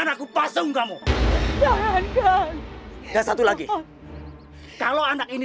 aku butuh buat aruan